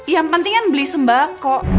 yang penting kan beli sembako